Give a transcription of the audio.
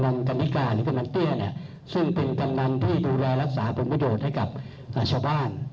ในที่ที่บริเวณสังคมนะครับ